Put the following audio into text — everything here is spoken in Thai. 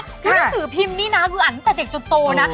ที่ในสือพิมพ์นี่นะคืออันตดัดเด็กจนโตนะ